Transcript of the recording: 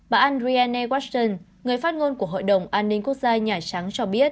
bà andreana washington người phát ngôn của hội đồng an ninh quốc gia nhà trắng cho biết